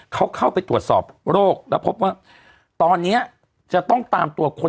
เขาเข้าไปตรวจสอบโรคแล้วพบว่าตอนนี้จะต้องตามตัวคน